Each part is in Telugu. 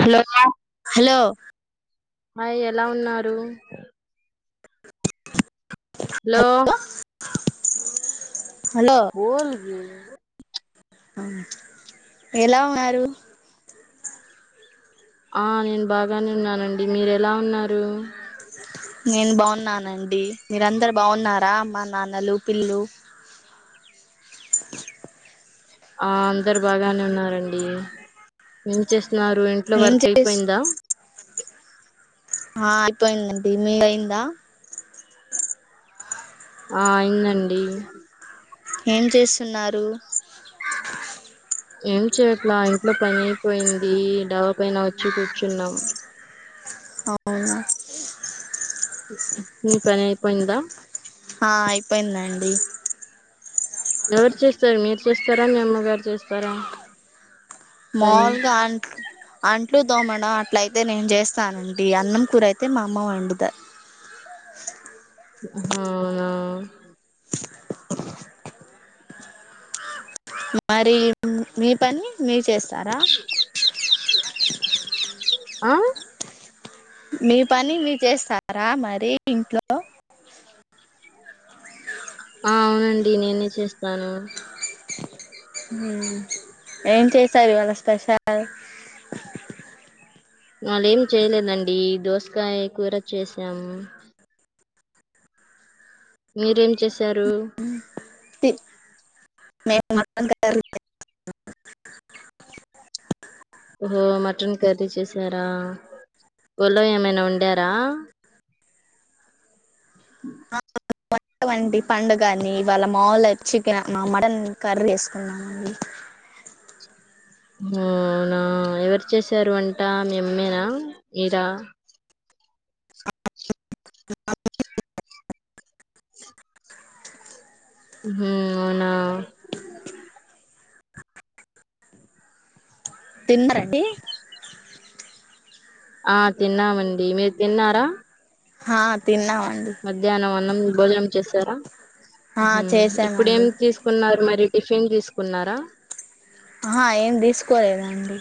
హలో హలో ఆ ఎలా ఉన్నారు హలో బోల్ జీ మ్మ్ ఎలా ఉన్నారు ఆ నేన్ బాగానే ఉన్నానండి మీర ఎలా ఉన్నారు నేను బాగున్నానండి మీర అందరు బాగున్నారా మన్ నాన్నలు పిల్లు ఆ అందరు బాగానే ఉన్నారండి ఎం చేస్తు నారు ఇంట్లో ఏం వర్క్ చేస్ అయిపోయిందా ఆ అయిపోయిందండి మీద్ అయిందా ఆ అయిందండి ఏం చేస్తున్నారు ఏం చేయట్లా ఇంట్లో పని అయిపోయింది డాబా పైన వచ్చి కూర్చున్నాం అవునా మీ పని అయిపోయిందా ఆ అయిపోయిందండి ఎవరు చేస్తారు మీరు చేస్తారా మీ అమ్మగారు చేస్తారా పని మామూలుగా అంట్ల అంట్ల అట్లు దోమడం అట్ల అయితే నేను చేస్తానండి అన్నం కూర అయితే మా అమ్మ వండుతద్ ఆహ్ అవునా మరి మీ పని మీర్ చేస్తా స్తారా ఆ మీ పని మీ చేస్తా రా మరి ఇంట్లో ఆ అవునండి నేనే చేస్తాను హ్మ్మ్ ఏం చేశారు ఇవాలా స్పెషల్ మళ్ళ ఏం చేయలేదండి దోసకాయ కూర చేసాము మీరేం చేసర్ సారు తి మేము మటన్ కర్రి ఓహో మటన్ కర్రీ చేసారా పలవ్ ఏమైన వండార వంటి పండుగని వాళ్ళ మాముూలు చికెన్ మటన్ కర్రీ వేసుకున్నామండి అవునా ఎవరు చేశారు వంట మీ అమ్మేనా మీర హమ్ అవున తిన్న రండి ఆ తిన్నామండి మీరు తిన్నారా హా తిన్నా మధ్యాహ్నం అన్నం భోజనం చేశారా ఆ ఇప్పుడేం చేసామండి తీసుకున్నారు మ మ టిఫిన్ తీసుకున్నారా ఆ ఏం తీసుకోలేదండి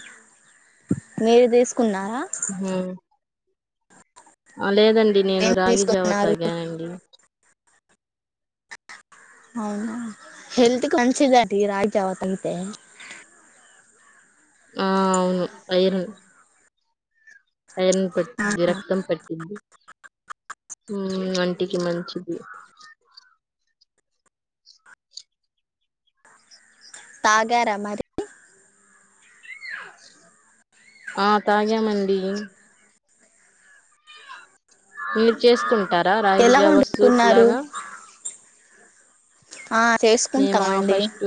మీరు తీసుకో కున్నారా ఉహు లేదండి నేను ఏం రాగి జావ తీసుకున్నారు తగానండి అవునా హల్త్కి మంచిది అండి రాగి జావా తాగితే ఆ అవును ఐరన్ ఐరన్ ఆ పట్టింది రక్తం పట్టింది అంటికి మంచిది తాగార మరి ఆ తగం మండి మీరు చేసుకుం టార రాగి ఎలా జావ వండుకున్నారు సూపులాగా ఆ మేమ చేసుకుంటామండి ఫస్ట్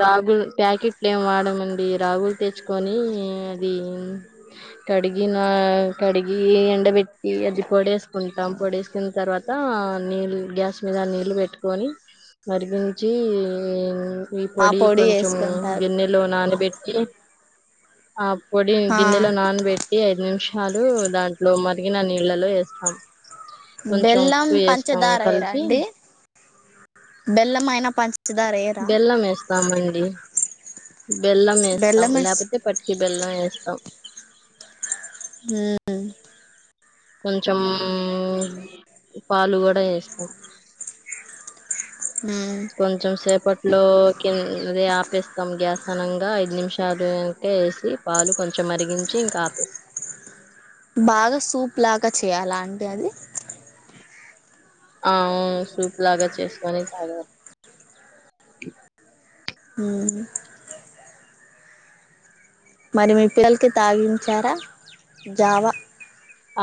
రాగులు ప్యాకెట్లు ఏమి వాడమండి రాగులు తెచ్చుకొని అది కడిగిన కడిగి ఎండబెట్టి అది పొడేసుకుంటాం పొడేసుకున్న తర్వాత నీళ్ళ గ్యాస్ మీద నీళ్ళు పెట్టుకొని మరిగించి ఈ ఆ పొడి కొంచెం చేసుకుంటారు గిన్నెలో నానబెట్టి ఆ పొడి ఆ గిన్నెలో నానబెట్టి ఐదు నిమిషాలు దాంట్లో మ మరిగిన నీళ్ళలో వేస్తాం కొంచెం బెల్లం ఉప్పు వేస్తాం పంచదారయరా కలిపి అండి బెల్లం అయినా పంచ చ్చదారేయరా తమన్డి బెల్లం వేస్తాం బెల్లం ఎస్ లేకపోతే పట్కి బెల్లం వేస్తాం హ్మ్ కొంచెం పాలు కూడా వేస్తాం హ్మ్ అప్పట్లో కిందే ఆపేస్తాం గ్యాస్ అనంగా ఐదు నిమిషాలుకా వేసి పాలు కొంచెం మరిగించి ఇంకా ఆపేస్తాం బాగా సూప్ లాగా చేయాలా అంటే అది ఆ సూప్ లాగా చేసుకొని బాగ మ్మ్ మరి మీ పిల్లలకి తాగించారా జావా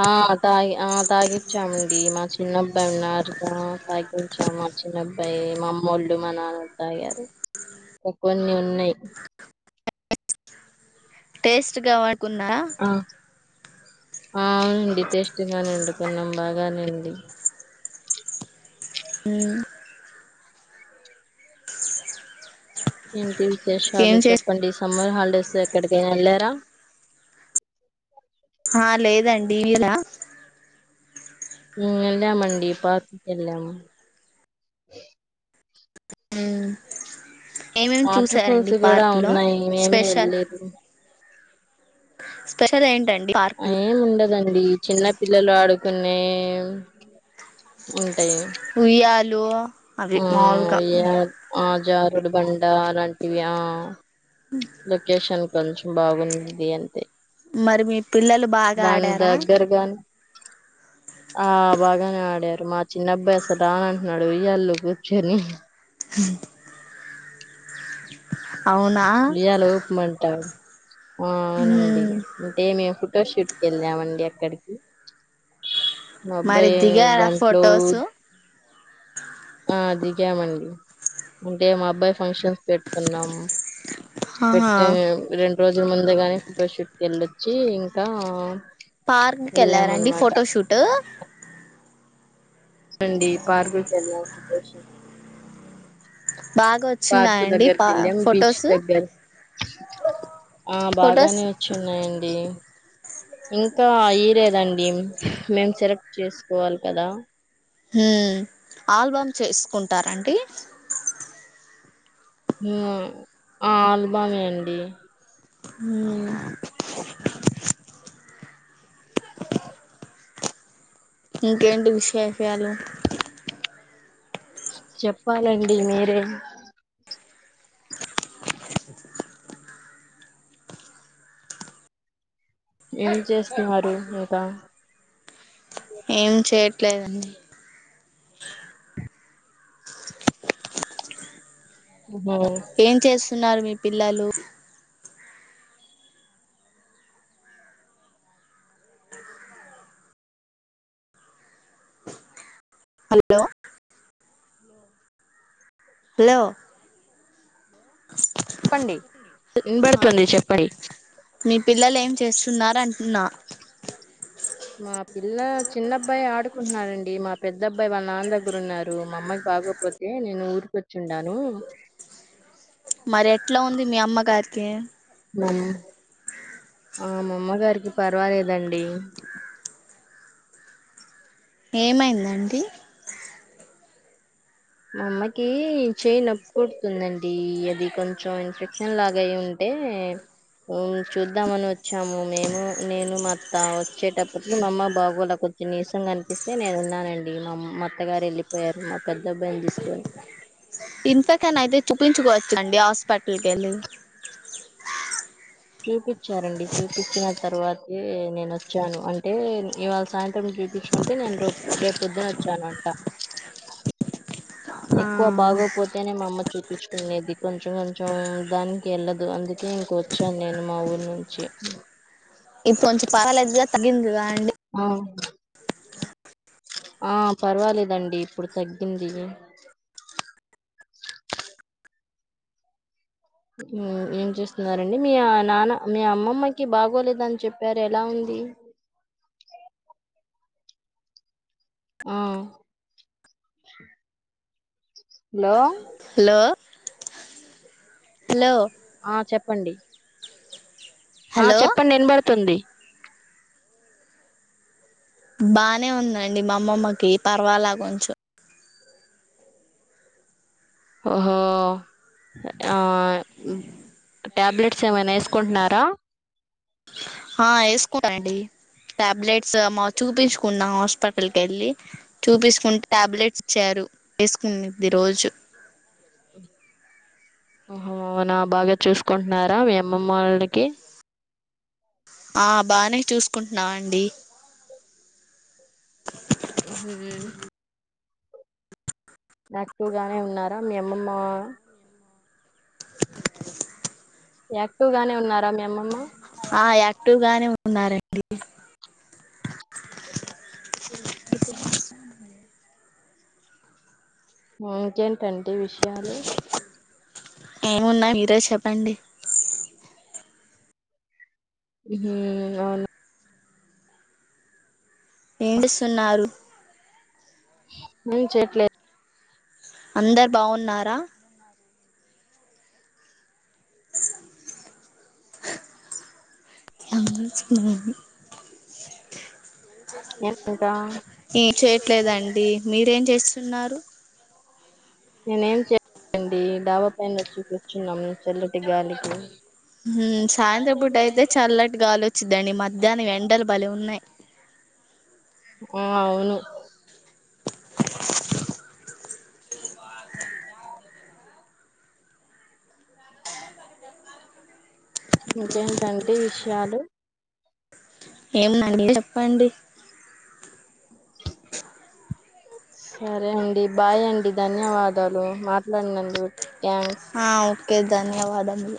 ఆ తాగి ఆ తాగిచ్చామండి మా చిన్నబ్బాయి ఉన్నారుగా తాగించాం మా చిన్నబ్బాయి మా అమ్మొళ్ళు మా నాన్నలు తాగారు కొన్ని ఉన్నాయి టేస్ట్ గా వాడుకున్నా ఆ అవునండి టేస్గాని వండుకున్నాం బాగానే ఉంది హ్మ్ ఏంటి ఏం విశేషాలు చే చెప్పండి సమ్మర్ హాలిడేస్ ఎక్కడకైనా ఎల్లారా దండి [unintelligible] ఎల్లమండి పార్క్ కి ఎల్లాము మ్మ్ ఏమేమి వాటర్ ఫాల్స్ చూసారండి కూడా పార్క్ లో ఉన్నాయి మేమే స్పెషల్ వెళ్లేదు స్పెషల్ ఏంట పార్క్ లో ందండి చిన్న పిల్లలు ఆడుకునే ఉయ్యాలు లు హ్మ్ ఆ ఏ జారుడు బండా ఆలాలాంటివి లొకేషన్ కొంచెం బాగున్నది అంతే మరి మీ పిల్లలు బాగా దాని ఆడారా దగ్గరగాని ఆ బాగానే ఆడారు మా చిన్న అబ్బాయి అసలు రాను అంటున్నాడు ఉయ్యాలో కూర్చొని స్ ఉయ్యాల ఊప్ మంటా అవునండి మ్మ్ అంటే మేము ఫొటోషూట్కి వెళ్ళామండి అక్కడి మరి దిగారా ఆ దాంట్లో ఫొటోసు ఆ దిగామండి అంటే మా అబ్బాయి ఫంక్షన్స్ పెట్టుకున్నాం ఆహా పెట్టే రెండు రోజు ఇ ముందుగానే ఫొటోషూట్కి వెళ్ళొచ్చి ఇంకా పార్క్కి వెళ్ళారండి వెళ్ళామన్నమాట ఫొటోషూట్ అవును అండి పార్క్ కి వెళ్ళాం ఫోటోషూట్ బాగా పార్కు వచ్చిన్నాయండి దగ్గరకి పా వెళ్ళాం బీచ్ ఫొటోస్ దగ్గర ఆ ఫొటోస్ బాగానే వచ్చిన్నాయండి ఇంకా ఇలేదండి మేం సెలెక్ట్ చేసుకోవాలి కదా ఆల్బమ్ చేసుకుంటారండి ఆ ఆల్బామే అండి హ్మ్ ఇంకేంటి విశేషాలు చెప్పాలండి మీరే ఏం చేస్తున్నారు ఇంకా ఏం చేయట్లేదండి మ్మ్ స్తున్నారు మీ పిల్లలు హలో హలో చెప్పండి ఇనబడుతుంది చెప్పండి టున్నారంటున్నా మా పిల్ల చిన్నబ్బాయి ఆడుకుంటున్నారండి మా పెద్ద అబ్బాయి వాళ్ళ నాన్న దగ్గరున్నారు మా అమ్మాయికి బాగోపోతే నేను ఊరికొచ్చిండాను మరి ఎట్లా ఉంది మీ అమ్మ గారికి [inaudible] ఆ మా అమ్మగారికి పర్వాలేదండి ఏమైందండి మా అమ్మకి చేయి నొప్పు కొడుతుందండి అది కొంచెం ఇన్ఫెక్షన్ లాగయి ఉంటే ఉమ్ చూద్దామని వచ్చాము మేము నేను మా అత్త వచ్చేటప్పటికి మా అమ్మ బాగోలా కొంచెం నీసంగా అనిపిస్తే నేను ఉన్నానండి మా అత్తగారు వెళ్ళిపోయారు మా పల్ డబ్బాైలు తీసుకోని ఇంతకేనా అయితే చూపించుకోవచ్ఛండి హాస్పిటల్ కెళ్ళి చూపిచ్చారండి చూపిచ్చిన తర్వాతే నేను వచ్చాను అంటే ఇవాళ సాయంత్రం చూపిచ్చుకుంటే నేను రో రేపొద్దున వచ్చానంట ఎక్కువ బాగోపోతేనే మా అమ్మ చూపిచ్చుకునేది కొంచెం కొంచెం దానికి యెళ్ళదు అందుకే ఇంక వచ్చాను నేను మా ఊరు నుంచి ఇప్పు కొంచం పర్వాలేద్గ తగిందిగా ఆ ఆ పర్వాలేదండి ఇప్పుడు తగ్గింది ఏం చేస్తున్నారండి మీ నాన్న మీ అమ్మమ్మకి బాగోలేదని చెప్పారు ఎలా ఉంది ఆ హలో హలో హలో ఆ చెప్పండి ఆ హలో చెప్పండి ఇనబడుతుంది బానే ఉందండి మా అమ్మమ్మకి పర్వాల కొంచెం ఓహో ఆ ట్యాబ్లెట్స్ ఏమైనా వేసుకుంటున్నారా ఆ వేసుకున్నారండి టాబ్లెట్స్ చూపించుకున్నాం హాస్పిటల్కి వెళ్ళి చూపిసుకుంటే టాబ్లెట్స్ ఇచ్చారు వేసుకునీది రోజు అవునా బాగా చూసుకుంటున్నారా మీ అమ్మమళ్ళకి ఆ బానే చూసుకుంటున్నా అండి మ్మ్ హ్ హ్ యాక్టివ్‌ గానే ఉన్నారా మీ అమ్మమ్మా యాక్టివ్ గానే ఉన్నారా మీ అమ్మమ్మ ఆ యాక్టివ్ గానే ఉన్నారండి ఇంకేంటండి విషయాలు ఏమున్నాయి మీరే చెప్పండి హ్మూ అవునా ఏండుస్తున్నారు ఏం చేయట్లే అందరు బావున్నారా మ్మ్ హ్మ్ ఏం ఇంకా ఏం చేయట్లేదండి మీరేం ఏం చేస్తు తిన్నారు నేనేం చే అండి డాబా పైన వచ్చి కూర్చున్నాం చల్లటి గాలికి మ్మ్ సాయంత్రం పూట అయితే చల్లటి గాలివొచ్చిది అండి దాని వెండలు బలే ఉన్నాయి ఆ అవును [unintelligible] [unintelligible] ఇంకేంటంటి విషయాలు ఏముందండి చెప్పండి స రే అండి బాయ్ అండి ధన్యవాదాలు మా బన్నండి యాస్ కే ధన్యవాదములు